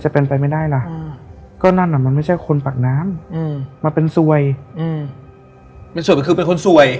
เป็นคนสวย